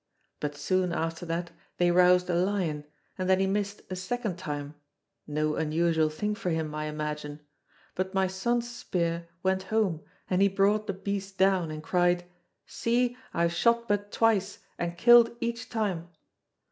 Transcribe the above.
But, soon after that, they roused a lion, and then he missed a second time no unusual thing for him, I imagine but my son's spear went home, and he brought the beast down, and cried, 'See, I have shot but twice, and killed each time!'